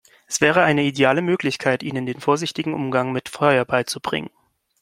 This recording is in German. Es wäre eine ideale Möglichkeit, ihnen den vorsichtigen Umgang mit Feuer beizubringen.